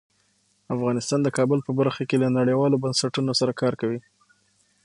افغانستان د کابل په برخه کې له نړیوالو بنسټونو سره کار کوي.